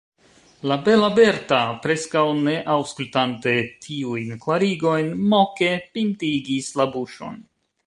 La bela Berta, preskaŭ ne aŭskultante tiujn klarigojn, moke pintigis la buŝon.